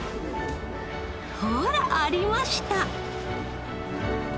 ほらありました。